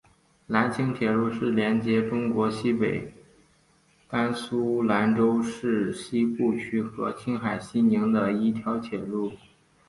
兰青铁路是连接中国西北甘肃兰州市西固区和青海西宁的一条铁路。